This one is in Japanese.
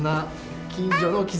近所の絆